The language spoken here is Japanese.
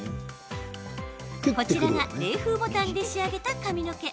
こちらが冷風ボタンで仕上げた髪の毛。